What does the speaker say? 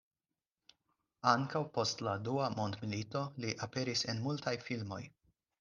Ankaŭ post la Dua mondmilito li aperis en multaj filmoj.